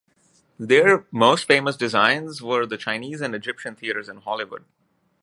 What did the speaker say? Their most famous designs were the Chinese and Egyptian Theaters in Hollywood.